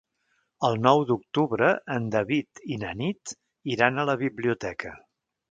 El nou d'octubre en David i na Nit iran a la biblioteca.